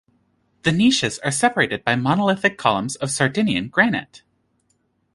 The niches are separated by monolithic columns of Sardinian granite.